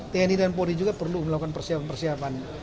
tni dan polri juga perlu melakukan persiapan persiapan